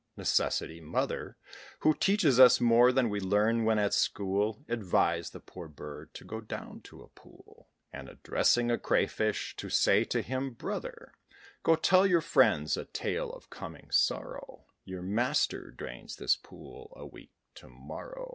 Necessity, mother, Who teaches us more than we learn when at school, Advised the poor bird to go down to a pool, And addressing a Cray fish, to say to him "Brother, Go tell your friends a tale of coming sorrow: Your master drains this pool a week to morrow!"